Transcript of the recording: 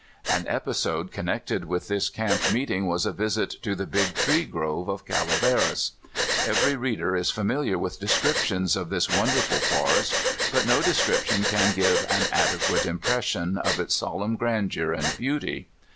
An episode connected with this camp meeting was a visit to the Big Tree Grove of Calaveras. Every reader is familiar with descriptions of thL« My First California Carnp mccting. 159 wonderful forest, but uo description can give an adequate impression of its solemn grandeur and beauty.